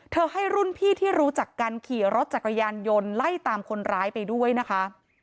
ให้รุ่นพี่ที่รู้จักกันขี่รถจักรยานยนต์ไล่ตามคนร้ายไปด้วยนะคะ